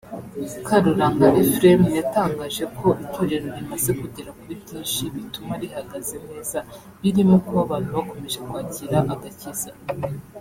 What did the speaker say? Karuranga Euphrem yatangaje ko itorero rimaze kugera kuri byinshi bituma rihagaze neza birimo kuba abantu bakomeje kwakira agakiza